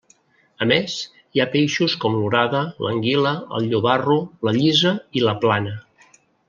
A més, hi ha peixos com l'orada, l'anguila, el llobarro, la llisa, i la plana.